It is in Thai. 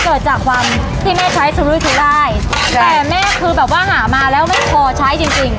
เกิดจากความที่แม่ใช้สำรุยสุรายแต่แม่คือแบบว่าหามาแล้วไม่พอใช้จริงจริง